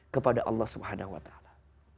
kepada allah subhanahu wa ta'ala